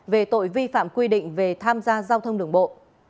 về tội vi phạm quy định về tham gia giao thông đường bộ